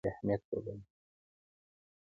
معمول سپین پوستو تور پوستان بې اهمیت وګڼل.